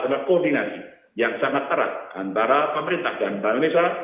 adalah koordinasi yang sangat erat antara pemerintah dan bank indonesia